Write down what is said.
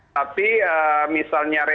tapi misalnya rapid